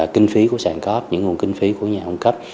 kinh phí của sàn cóp những nguồn kinh phí của nhà ông cấp